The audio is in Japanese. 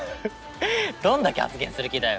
どんだけ発言する気だよ。